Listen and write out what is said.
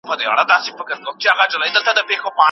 ته په خپل سیوري کي ورک یې